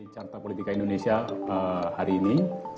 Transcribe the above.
carta politika indonesia hari ini